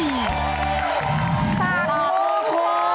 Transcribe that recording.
สากมองคลค่ะ